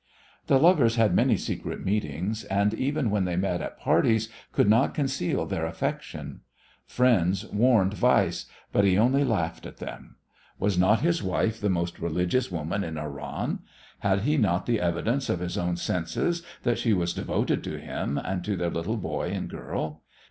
The lovers had many secret meetings, and even when they met at parties could not conceal their affection. Friends warned Weiss; but he only laughed at them. Was not his wife the most religious woman in Oran? Had he not the evidence of his own senses that she was devoted to him and to their little boy and girl?